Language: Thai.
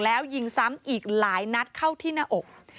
แล้วยิงซ้ำอีกหลายนัดเข้าที่หน้าอก